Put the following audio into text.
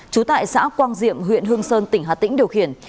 trú tại xã quang diệm huyện hương sơn tỉnh hà tĩnh điều khiển